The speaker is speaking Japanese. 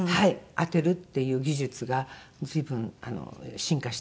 当てるっていう技術が随分進化してるようで。